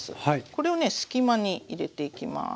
これをね隙間に入れていきます。